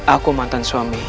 aku mantan suami